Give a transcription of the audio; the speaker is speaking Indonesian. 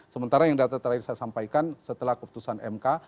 sementara yang data terakhir saya sampaikan setelah keputusan mk